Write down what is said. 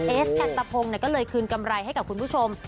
เอสกันตะพงก็เลยคืนกำไรให้กับคุณผู้ชม